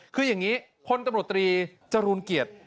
คืออย่างนี้พลตำรวจตรีจรูลเกียรติ